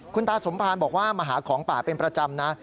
คุณตาสมภารบอกว่ามาหาของป่าเป็นประจำนะ